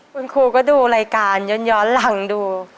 คุณครูก็ดูรายการย้อนหลังดู